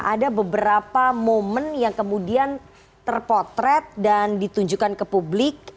ada beberapa momen yang kemudian terpotret dan ditunjukkan ke publik